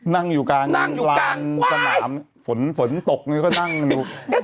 นั่งอยู่กลางกลัวสนามฝนตกที่ก็นั่งอยู่